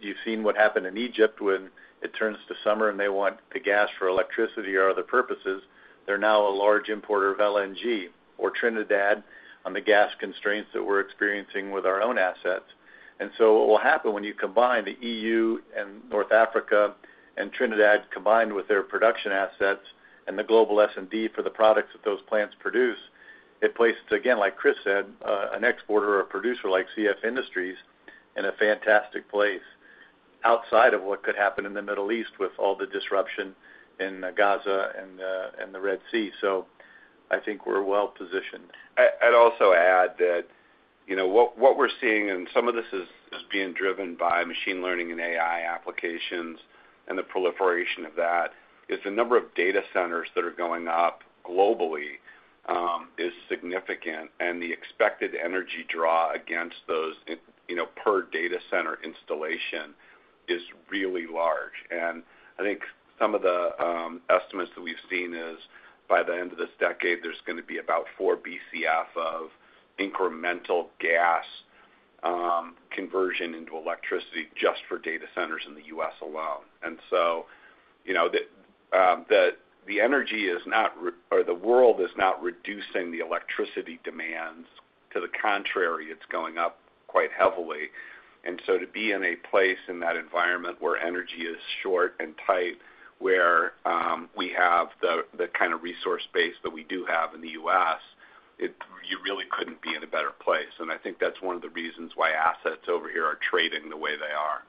you've seen what happened in Egypt when it turns to summer, and they want the gas for electricity or other purposes. They're now a large importer of LNG, or Trinidad, on the gas constraints that we're experiencing with our own assets. What will happen when you combine the EU and North Africa and Trinidad, combined with their production assets and the global S&D for the products that those plants produce, it places, again, like Chris said, an exporter or a producer like CF Industries in a fantastic place outside of what could happen in the Middle East with all the disruption in Gaza and the Red Sea. We're well positioned. I'd also add that, you know, what we're seeing, and some of this is being driven by machine learning and AI applications and the proliferation of that, is the number of data centers that are going up globally, is significant, and the expected energy draw against those in, you know, per data center installation is really large. Some of the estimates that we've seen is, by the end of this decade, there's gonna be about 4 BCF of incremental gas, conversion into electricity just for data centers in the U.S. alone. And so, you know, the energy is not re-- or the world is not reducing the electricity demands. To the contrary, it's going up quite heavily. To be in a place in that environment where energy is short and tight, where we have the kind of resource base that we do have in the U.S., you really couldn't be in a better place. That's one of the reasons why assets over here are trading the way they are.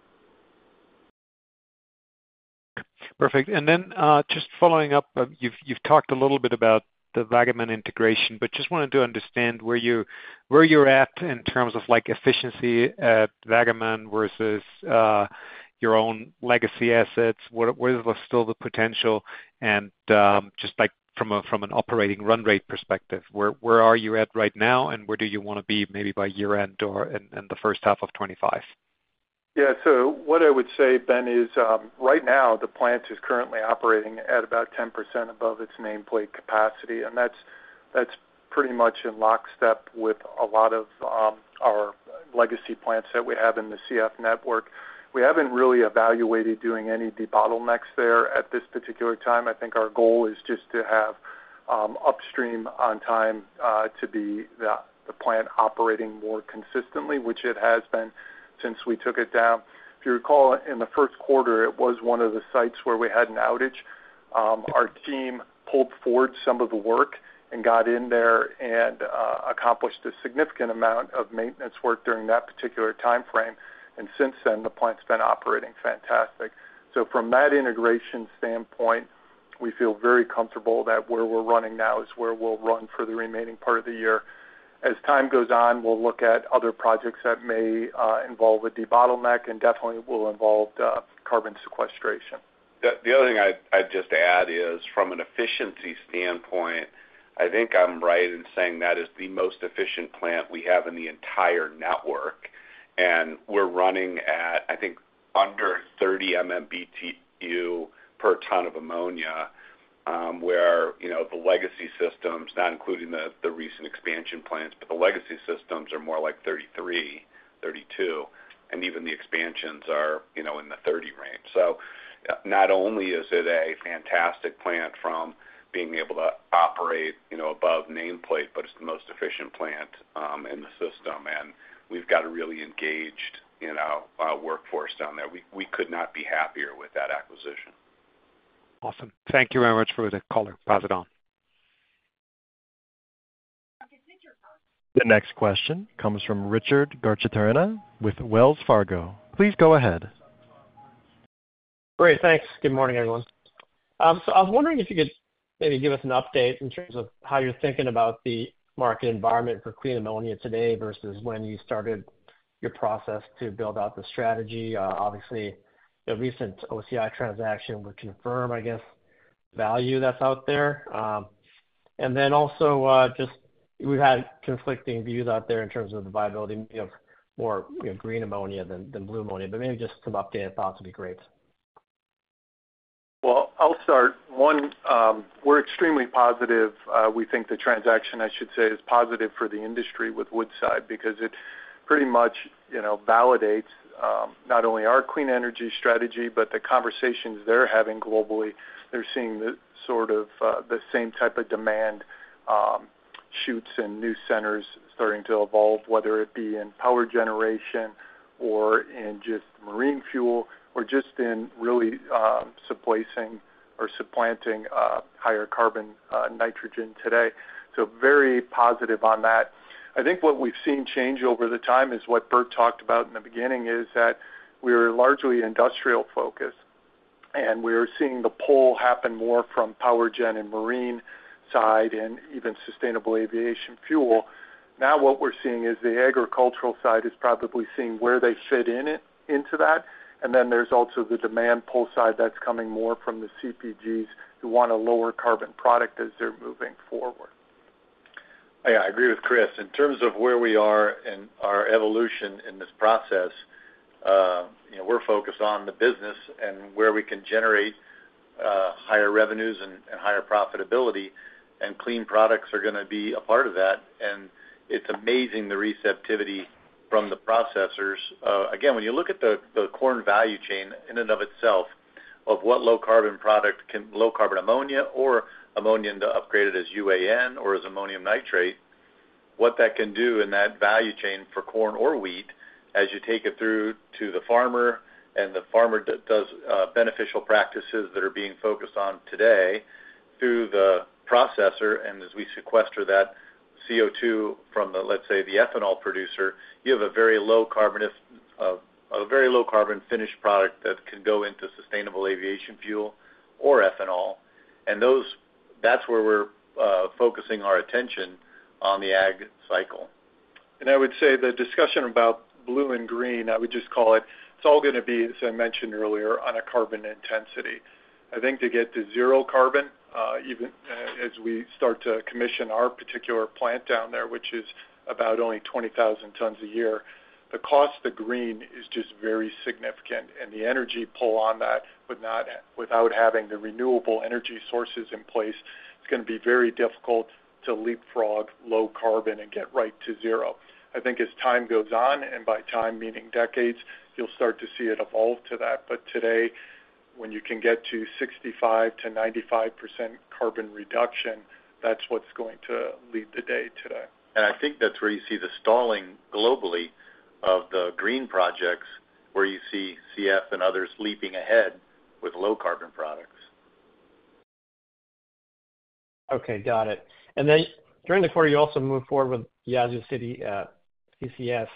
Perfect. And then, just following up, you've talked a little bit about the Waggaman integration, but just wanted to understand where you're at in terms of, like, efficiency at Waggaman versus your own legacy assets. What, where is still the potential? And, just, like, from an operating run rate perspective, where are you at right now, and where do you wanna be maybe by year-end or in the first half of 2025? Yeah, so what I would say, Ben, is, right now, the plant is currently operating at about 10% above its nameplate capacity, and that's, that's pretty much in lockstep with a lot of, our legacy plants that we have in the CF network. We haven't really evaluated doing any debottlenecks there at this particular time. Our goal is just to have, upstream on time, to be the, the plant operating more consistently, which it has been since we took it down. If you recall, in the Q1, it was one of the sites where we had an outage. Our team pulled forward some of the work and got in there and, accomplished a significant amount of maintenance work during that particular timeframe. And since then, the plant's been operating fantastic. So from that integration standpoint, we feel very comfortable that where we're running now is where we'll run for the remaining part of the year. As time goes on, we'll look at other projects that may involve a debottleneck and definitely will involve carbon sequestration. The other thing I'd just add is, from an efficiency standpoint, I'm right in saying that is the most efficient plant we have in the entire network. And we're running at under 30 MMBtu per ton of ammonia, where, you know, the legacy systems, not including the recent expansion plans, but the legacy systems are more like 33, 32, and even the expansions are, you know, in the 30 range. So not only is it a fantastic plant from being able to operate, you know, above nameplate, but it's the most efficient plant in the system, and we've got a really engaged, you know, workforce down there. We could not be happier with that acquisition. Awesome. Thank you very much for the color. Pass it on. The next question comes from Richard Garchitorena with Wells Fargo. Please go ahead. Great, thanks. Good morning, everyone. So I was wondering if you could maybe give us an update in terms of how you're thinking about the market environment for clean ammonia today versus when you started your process to build out the strategy. Obviously, the recent OCI transaction would confirm, I guess, value that's out there. And then also, just we've had conflicting views out there in terms of the viability of more, you know, green ammonia than blue ammonia, but maybe just some updated thoughts would be great. Well, I'll start. One, we're extremely positive. We think the transaction, I should say, is positive for the industry with Woodside because it pretty much, you know, validates, not only our clean energy strategy, but the conversations they're having globally. They're seeing the sort of, the same type of demand, shoots and new centers starting to evolve, whether it be in power generation or in just marine fuel or just in really, replacing or supplanting, higher carbon, nitrogen today. So very positive on that. What we've seen change over the time is what Bert talked about in the beginning, is that we're largely industrial focused, and we're seeing the pull happen more from power gen and marine side and even sustainable aviation fuel. Now, what we're seeing is the agricultural side is probably seeing where they fit in it, into that, and then there's also the demand pull side that's coming more from the CPGs, who want a lower carbon product as they're moving forward. Yeah, I agree with Chris. In terms of where we are in our evolution in this process, you know, we're focused on the business and where we can generate higher revenues and, and higher profitability, and clean products are gonna be a part of that. It's amazing the receptivity from the processors. Again, when you look at the corn value chain in and of itself, of what low carbon product can low carbon ammonia or ammonium to upgrade it as UAN or as ammonium nitrate, what that can do in that value chain for corn or wheat as you take it through to the farmer, and the farmer does beneficial practices that are being focused on today through the processor, and as we sequester that CO2 from the, let's say, the ethanol producer, you have a very low carbon finished product that can go into sustainable aviation fuel or ethanol. That's where we're focusing our attention on the ag cycle. I would say the discussion about blue and green, I would just call it, it's all gonna be, as I mentioned earlier, on a carbon intensity. To get to zero carbon, even, as we start to commission our particular plant down there, which is about only 20,000 tons a year, the cost to green is just very significant, and the energy pull on that, but not without having the renewable energy sources in place, it's gonna be very difficult to leapfrog low carbon and get right to zero. As time goes on, and by time, meaning decades, you'll start to see it evolve to that. But today, when you can get to 65%-95% carbon reduction, that's what's going to lead the day today. That's where you see the stalling globally of the green projects, where you see CF and others leaping ahead with low carbon products. Okay, got it. And then during the quarter, you also moved forward with Yazoo City, CCS.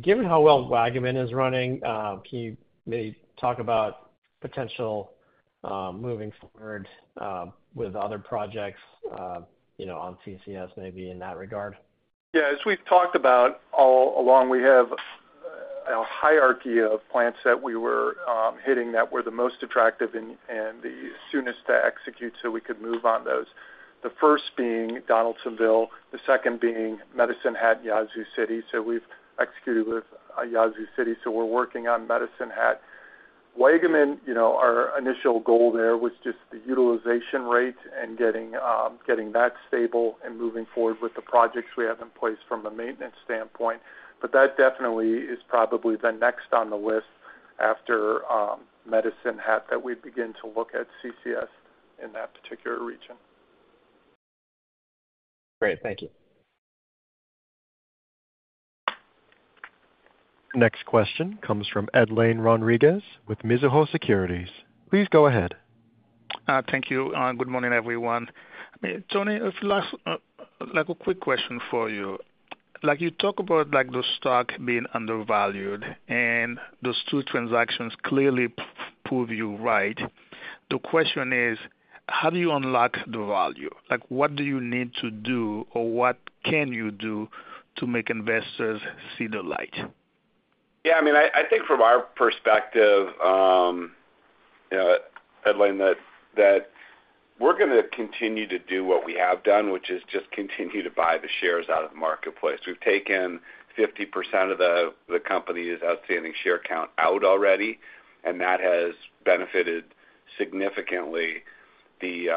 Given how well Waggaman is running, can you maybe talk about potential, moving forward, with other projects, you know, on CCS, maybe in that regard? Yeah. As we've talked about all along, we have a hierarchy of plants that we were hitting that were the most attractive and the soonest to execute, so we could move on those. The first being Donaldsonville, the second being Medicine Hat, Yazoo City. So we've executed with Yazoo City, so we're working on Medicine Hat. Waggaman, you know, our initial goal there was just the utilization rate and getting that stable and moving forward with the projects we have in place from a maintenance standpoint. But that definitely is probably the next on the list after Medicine Hat, that we begin to look at CCS in that particular region. Great. Thank you. Next question comes from Edlain Rodriguez with Mizuho Securities. Please go ahead. Thank you, and good morning, everyone. Tony, like a quick question for you. Like you talk about, like, the stock being undervalued, and those two transactions clearly prove you right. The question is: how do you unlock the value? Like, what do you need to do or what can you do to make investors see the light? From our perspective, you know, Edlain, that we're gonna continue to do what we have done, which is just continue to buy the shares out of the marketplace. We've taken 50% of the company's outstanding share count out already, and that has benefited significantly the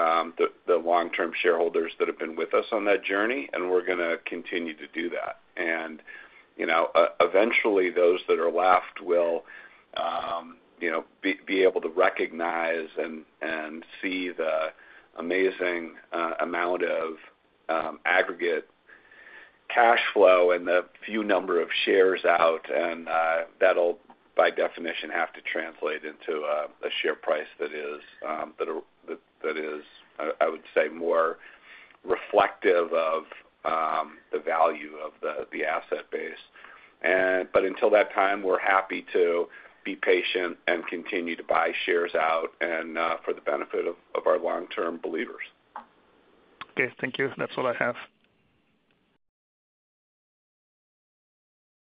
long-term shareholders that have been with us on that journey, and we're gonna continue to do that. And, you know, eventually, those that are left will, you know, be able to recognize and see the amazing amount of aggregate cash flow and the few number of shares out. And, that'll, by definition, have to translate into a share price that is, that is, I would say, more reflective of the value of the asset base. But until that time, we're happy to be patient and continue to buy shares out and, for the benefit of, of our long-term believers. Okay, thank you. That's all I have.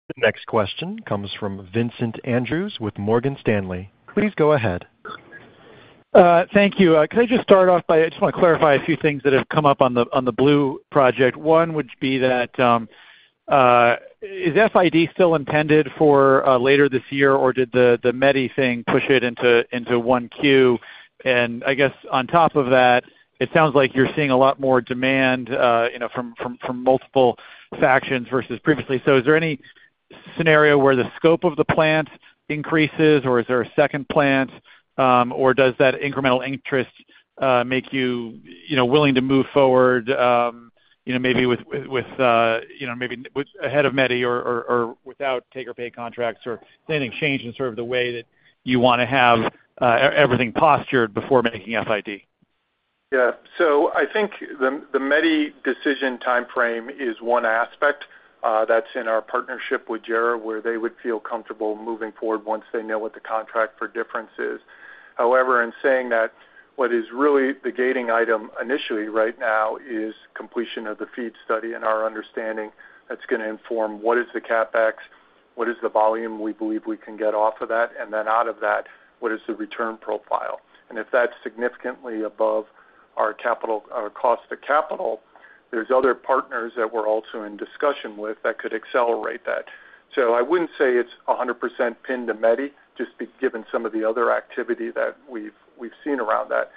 The next question comes from Vincent Andrews with Morgan Stanley. Please go ahead. Thank you. Could I just start off by, I just wanna clarify a few things that have come up on the, on the blue project. One would be that, is FID still intended for later this year, or did the METI thing push it into 1Q? And I guess on top of that, it sounds like you're seeing a lot more demand, you know, from multiple factions versus previously. So is there any scenario where the scope of the plant increases, or is there a second plant, or does that incremental interest make you, you know, willing to move forward, you know, maybe ahead of METI or without take or pay contracts, or anything change in sort of the way that you wanna have everything postured before making FID? The, the METI decision timeframe is one aspect that's in our partnership with JERA, where they would feel comfortable moving forward once they know what the contract for difference is. However, in saying that, what is really the gating item initially right now is completion of the FEED study and our understanding that's gonna inform what is the CapEx, what is the volume we believe we can get off of that, and then out of that, what is the return profile? And if that's significantly above our capital, our cost to capital, there's other partners that we're also in discussion with that could accelerate that. So I wouldn't say it's 100% pinned to METI just given some of the other activity that we've seen around that.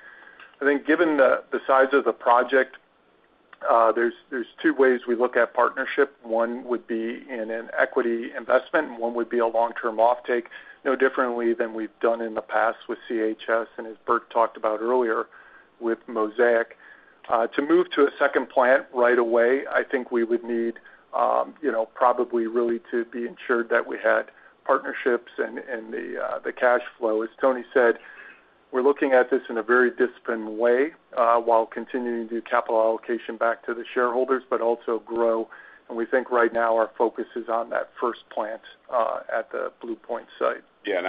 Given the size of the project, there's two ways we look at partnership. One would be in an equity investment and one would be a long-term off-take no differently than we've done in the past with CHS and as Bert talked about earlier with Mosaic. To move to a second plant right away, We would need probably really to be ensured that we had partnerships and the cash flow. As Tony said, we're looking at this in a very disciplined way while continuing to do capital allocation back to the shareholders, but also grow and we think right now, our focus is on that first plant at the Blue Plant site. Yes. And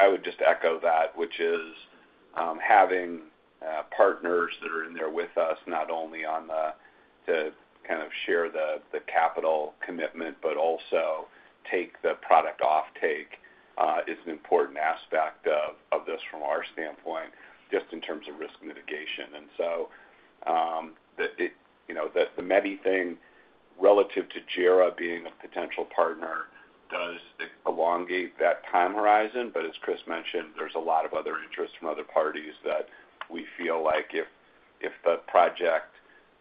I would just echo that, which is having partners that are in there with us not only on to kind of share the capital commitment, but also take the product off-take is an important aspect of this from our standpoint, just in terms of risk mitigation. The METI thing relative to JERA being a potential partner does elongate that time horizon. But as Chris mentioned, there's a lot of other interest from other parties that we feel like if the project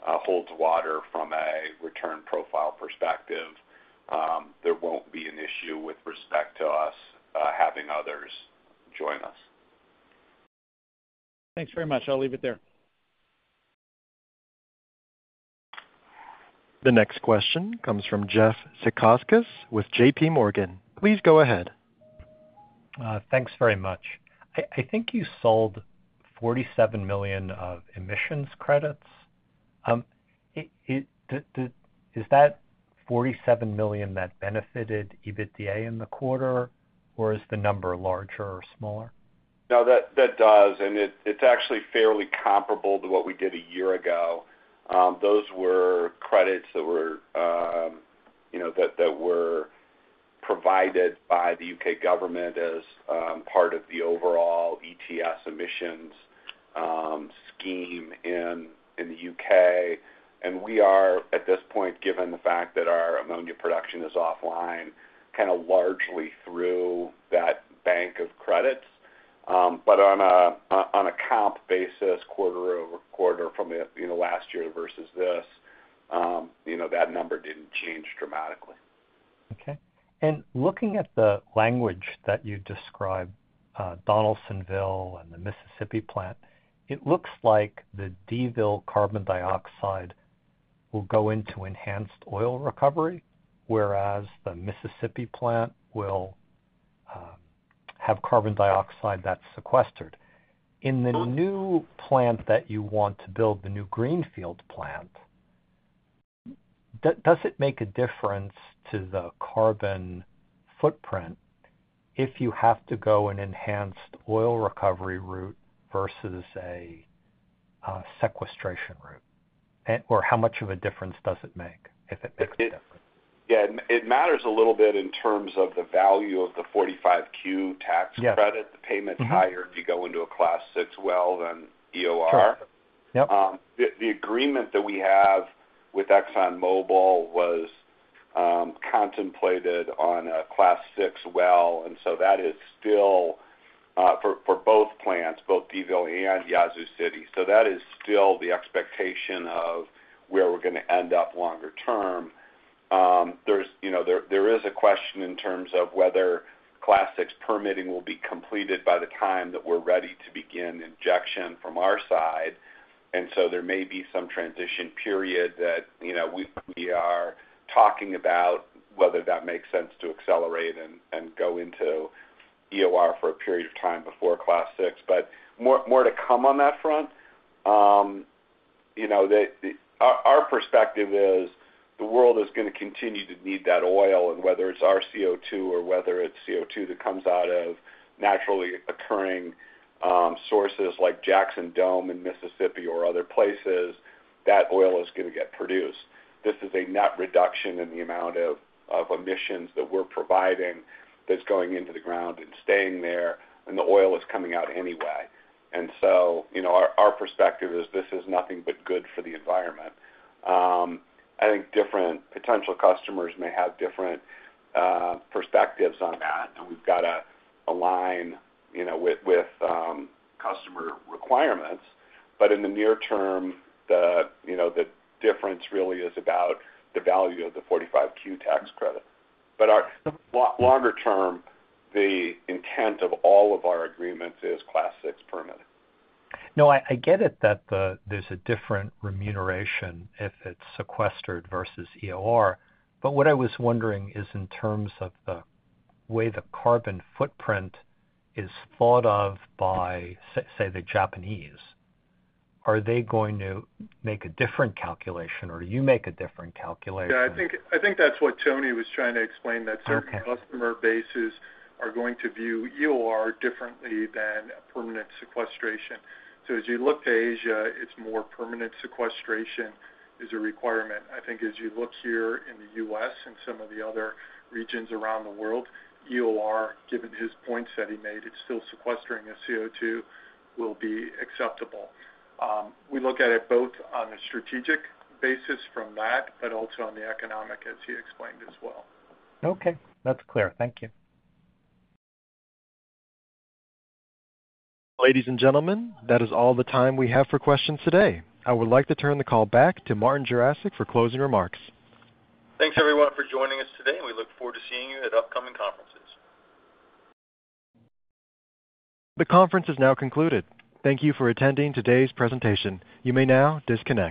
holds water from a return profile perspective. There won't be an issue with respect to us having others join us. Thanks very much, I'll leave it there. The next question comes from Jeff Zekauskas with JPMorgan. Please go ahead. You sold $47 million of emissions credits, is that $47 million that net benefited EBITDA in the quarter? Or is the number larger or smaller? No, that does. And it's actually fairly comparable to what we did a year ago. Those were credits that were, that were provided by the U.K. government as part of the overall ETS submissions scheme in the UK. And we are, at this point, given the fact that our ammonia production is offline kind of largely through that bank of credits. But on an account basis quarter-over-quarter from last year versus this that number didn't change dramatically. And looking at the language that you described Donaldsonville and the Mississippi plant, it looks like the D-Ville carbon dioxide will go into enhanced oil recovery, whereas the Mississippi plant will have carbon dioxide that's sequestered. In the new plant that you want to build the new greenfield plant, does it make a difference to the carbon footprint if you have to go an enhanced oil recovery route versus a sequestration route? Or how much of a difference does it makes? Yes. It matters a little bit in terms of the value of the 45Q tax credit. The payments higher, if you go into a Class 6 well than EOR. The agreement that we have with ExxonMobil was contemplated on a Class 6 well, that is still for both plants, both D-Ville and Yazoo City. So that is still the expectation of where we're going to end up longer term. There is a question in terms of whether Class 6 permitting will be completed by the time that we're ready to begin injection from our side. There may be some transition period that we are talking about whether that makes sense to accelerate and go into EOR for a period of time before Class 6. But more to come on that front. Our perspective is the world is going to continue to need that oil. And whether it's our CO2 or whether it's CO2 that comes out of naturally occurring sources like Jackson Dome in Mississippi or other places, that oil is going to get produced. This is a net reduction in the amount of emissions that we're providing that's going into the ground and staying there and the oil is coming out anyway. Our perspective is this is nothing but good for the environment. Different potential customers may have different perspectives on that. And we've got to align with customer requirements. But in the near-term, the difference really is about the value of the 45Q tax credit. But longer term, the intent of all of our agreements is Class 6 permitting. No, I get it that there's a different remuneration if it's sequestered versus EOR. But what I was wondering is in terms of the way the carbon footprint is thought of by, say, the Japanese are they going to make a different calculation or you make a different calculation. That's what Tony was trying to explain that certain customer bases are going to view EOR differently than a permanent sequestration. So as you look to Asia, it's more permanent sequestration is a requirement. As you look here in the U.S. and some of the other regions around the world, EOR given his point that he made, it's still sequestering CO2 will be acceptable. We look at it both on a strategic basis from that, but also on the economic as he explained as well. That's Clear. Thank you. Ladies and gentlemen, that is all the time we have for questions today. I would like to turn the call back to Martin Jarosick for closing remarks. Thanks, everyone, for joining us today. We look forward to seeing you at upcoming conferences. The conference has now concluded. Thank you for attending today's presentation. You may now disconnect.